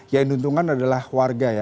yang diuntungkan adalah warga